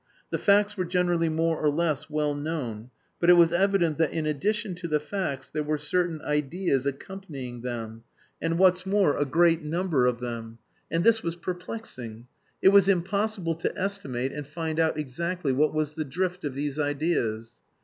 The facts were generally more or less well known, but it was evident that in addition to the facts there were certain ideas accompanying them, and what's more, a great number of them. And this was perplexing. It was impossible to estimate and find out exactly what was the drift of these ideas.